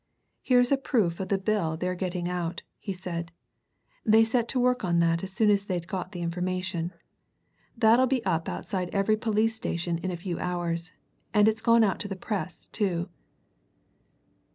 "Here's a proof of the bill they're getting out," he said. "They set to work on that as soon as they'd got the information. That'll be up outside every police station in a few hours, and it's gone out to the Press, too."